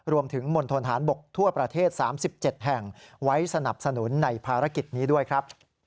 มณฑนฐานบกทั่วประเทศ๓๗แห่งไว้สนับสนุนในภารกิจนี้ด้วยครับ